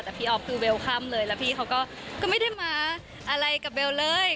แต่พี่อ๊อฟคือเวลค่ำเลยแล้วพี่เขาก็ไม่ได้มาอะไรกับเบลเลย